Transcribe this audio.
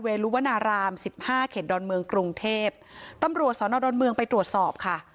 ลุวนารามสิบห้าเขตดอนเมืองกรุงเทพตำรวจสอนอดอนเมืองไปตรวจสอบค่ะ